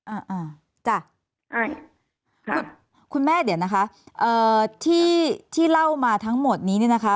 อ่าอ่าจ้ะอ่าคุณคุณแม่เดี๋ยวนะคะเอ่อที่ที่เล่ามาทั้งหมดนี้เนี่ยนะคะ